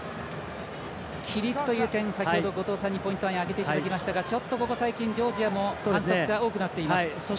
規律という点、先ほど後藤さんにポイントに挙げていただきましたがここ最近、ジョージアも反則が多くなっています。